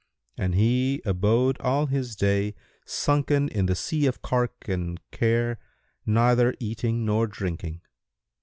And he abode all his day sunken in the sea of cark and care neither eating nor drinking.